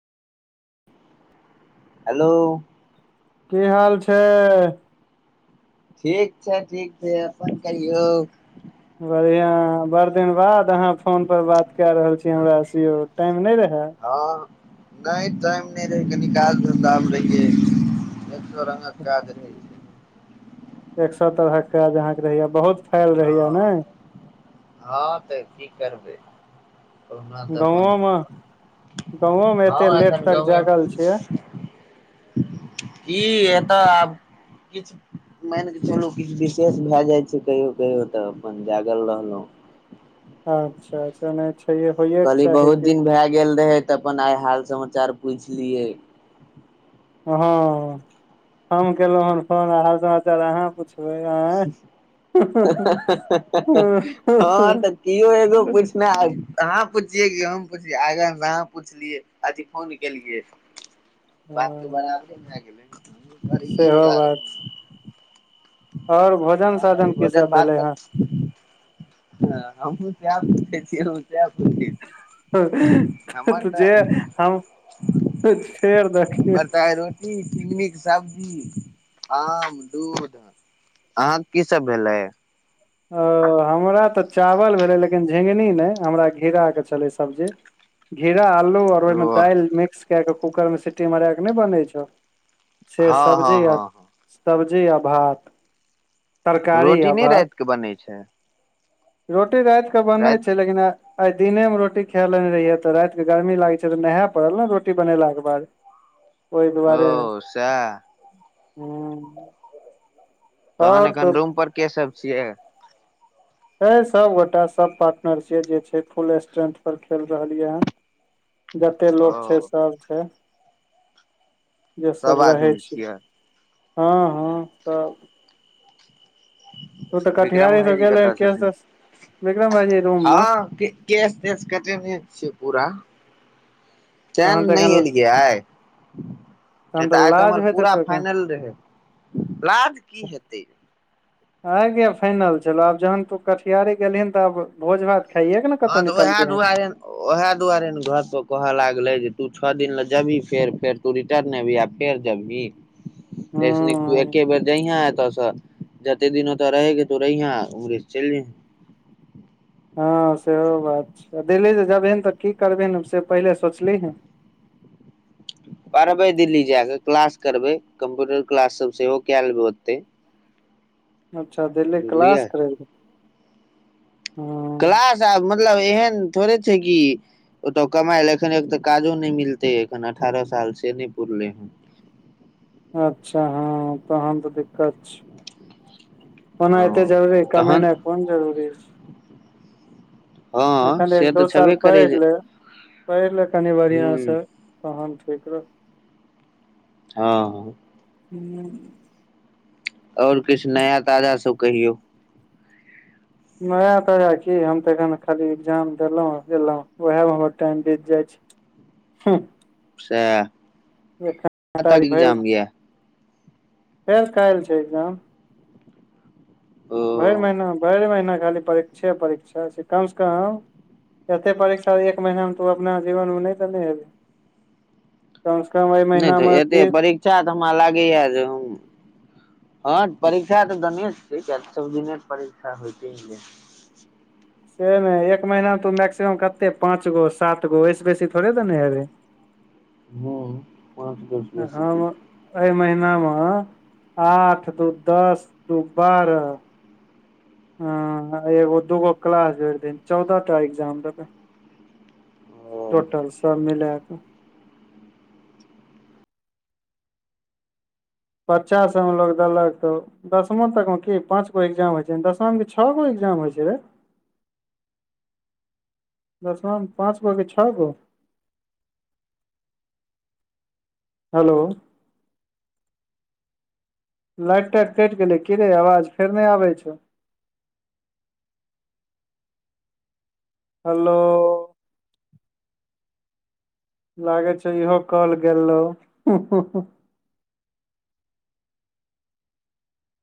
Hello. कि हाल छै ठीक छै ठीक छै अपन कहियौ। बढ़ियाँ बड़ दिन बाद अहाँ फोन पर बात कए रहल छी हमरा से यौ टाइम नहि रहै हँ नहि टाइम नहि रहै कनि काज धन्धामे रहियै एक सौ रंगक काज रहै छै एक सौ तरहक काज अहाँके रहैये बहुत फाइल हँ रहैये नय हँ तऽ की करबै कहुना तऽ गाँवो अपन मे गाँवो मे हँ एते लेट एखन तक गाँवे जागल छियै मे कि एतऽ आब किछ मानि कऽ चलू किछ विशेष भए जाइ छै कहियो कहियो तऽ अपन जागल रहलौं अच्छा अच्छा नय छैहे कहलियै बहुत दिन भए गेल रहै तऽ अपन आइ हाल समाचार पुछि लियै। हँ हम केलहुँ हन फोन आ हाल समाचार अहाँ पुछ बै आँय [unintelligible] हँ तऽ कियो एगो पूछनाहर अहाँ पुछियै की हम पुछियै आगे से तऽ अहाँ पुछलियै अथी फोन केलियै बात तऽ हँ बराबरे भए गेलै। सेहो करैेवला बात रहौ छै आओर भोजन तहन आओर साजन की सब भेलै हन हँ हमहुँ सैह पुछै छी यौ तऽ तऽ जे हम फेर दखियौ टी झिगनी के सब्जी आम दूध अहाँक कि सब भेलै ओ हमरा तऽ चावल भेलै लेकिन झिगनी नय हमरा घिराके छलै सब्जी घीरा अल्लू आओर ओहिमे ओ दालि मिक्स कए कऽ कूकरमे सीटी मराए कऽ नहि बनै छौ से हँ हँ सब्जी आ हँ हँ सब्जी आ भात तरकारी रोटी आ नहि भात रातिके बनै छै रोटी राति कऽ बनै राति छै लेकिन आय आय दिने मे रोटी खे लेने रहियै तऽ राति के गर्मी लागे छै तऽ नहै परल ने रोटी बनेला के बाद ओहि दुआरे ओ सएह हुँ तहन एखन रूम पर के सब छियै। छै सबगोटा सब पार्टनर छियै जे छै फुल स्ट्रेंथ पर खेल रहलियै जते लोक छै ओ सब छै। जे सब रहै आदमी छी छियै हँ हँ सब तू तऽ विक्रम कटिहारे से भाइजी गेल रहे कतऽ केश छथिन तेश विक्रम भाईजी रूम मे हँ की केश तेश कटेनहे छियै पूरा तैं तहन न तऽ नय एखन एलियै आइ। किये तहन तऽ आइ तऽ लाज हमर होइत पूरा हेतौ एखन फाइनल रहै लाज की हेतै। आइ गे फाइनल छेलौ आब जहन तू कटिहारी गेलहिन तऽ आब भोज भात खाइए के न कतौ निकलबिहिन। ओहे दुआरे ने घर पर कहऽ लागलै जे तू छौ दिन ले जेबही फेर फेर तू रिटर्न एबही आ फेर जेबही तु [inaudible] अय से निक तु एक हँ एके बेर जहीए एत से जैतै दिन ओतऽ रहैके हेतौ रहि हं उम्हरे चलिजेे हँ सेहो बात छै दिल्ली जे जेबहीन तऽ की करबिन से पहिले सोचली [inaudible] [unintelligible] परबै दिल्ली जा कऽ क्लास करबै कम्प्यूटर क्लास सब सेहो कए लेबै ओते अच्छा दिल्ली बुझलियै क्लास करै हँ क्लास आब मतलब एहन थोड़े छै कि ओतऽ कमायले एखन एक तऽ काजो नहि मिलते एखन अठारह साल से नहि पुरले हन [inaudible] [unintelligible] अच्छा हँ तहन तऽ दिक्कत छै कोना एते जरूरी हँ तहन कमेनाइ कोन जरूरी हँ एखन एक से दो तऽ साल छेबे पढ़ि करै जे लेब पहिले कनि ह्म बढ़िआँसँ तहन ठीक रहै हँ हुँ और किछ नया ताजा सब कहियौ माता की हम तऽ एखन खाली एग्जाम देलहुँ एहुँ उएहमे हमर टाइम बीत जाइ छै। हँ से भऽ फेर काल्हि छै एग्जाम भरि ओ महीना भरि महीना खाली परीक्षे परीक्षा कम से कम एते परीक्षा एक महीना मे तू अपना जीवन मे नहि तऽ हभी कम से कम एहि महिना हमर तीर अच्छा तऽ हमरा लागेैये जे हँ परीक्षा तऽ दने छै सब दिने परीक्षा होयते से नहि एक महीना मे तू मैक्सिमम कते पाँच गो सात गो ओहिस बेसी थोड़े देने हेबै हँ को हम [inaudible] एहि महनामे आठ दू दस दू बारह हँ एगो दूगो क्लास भरि दऽ चौदह टा एग्जाम देब ओ टोटल सब मिलाक पचास सबएमे लोको देलक तऽ दसमा तक मे की पाँच गो एग्जाम होइ छै दसमा के छौ गो एग्जाम होइ छै रे दर्शन पाँच गो के छओ गो हेलो लाइट उट कटि गेले की रे आवाज फेर नहि आबै छौ हेलो लागै छै इहो कहल गेल रहौ